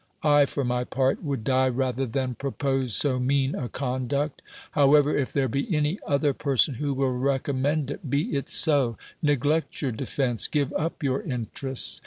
I, for my part, would die rather then propose so mean a conduct : however, if there be any other person who will recommend it, be it so ; neglect your defense ; give up your interests